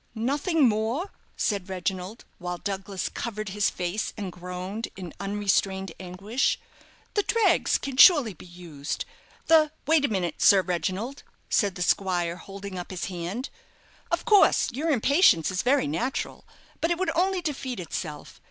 "Nothing more?" said Reginald, while Douglas covered his face, and groaned in unrestrained anguish; "the drags can surely be used? the " "Wait a minute, Sir Reginald," said the squire, holding up his hand; "of course your impatience is very natural, but it would only defeat itself.